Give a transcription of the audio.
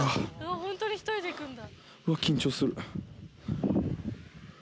ほんとに１人で行くんだ。